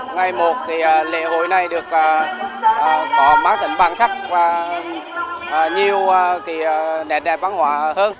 ngày một lễ hội này có mát tấn bản sắc và nhiều nét văn hóa hơn